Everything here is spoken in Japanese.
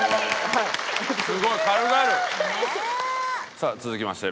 さあ続きまして。